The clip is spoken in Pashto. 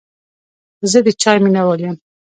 زه د چای مینهوال یم.